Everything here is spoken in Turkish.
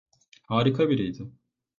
Harika biriydi.